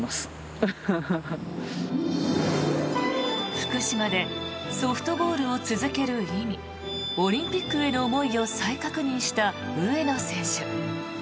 福島でソフトボールを続ける意味オリンピックへの思いを再確認した上野選手。